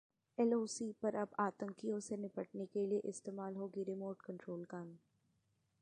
LoC पर अब आतंकियों से निपटने के लिए इस्तेमाल होंगी रिमोट कंट्रोल गन